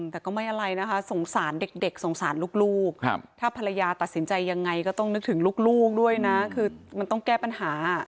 แต่ก็ไม่อะไรนะคะสงสารเด็กสงสารลูกถ้าภรรยาตัดสินใจยังไงก็ต้องนึกถึงลูกด้วยนะคือมันต้องแก้ปัญหา